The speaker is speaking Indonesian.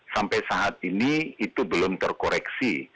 sampai saat ini itu belum terkoreksi